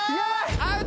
アウト！